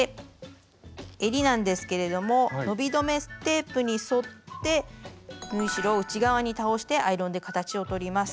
えりなんですけれども伸び止めテープに沿って縫い代を内側に倒してアイロンで形をとります。